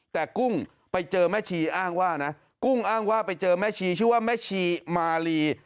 แต่กุ้งไปเจอแม่ชีอ้างว่านะกุ้งอ้างว่าไปเจอแม่ชีชื่อว่าแม่ชีมาลี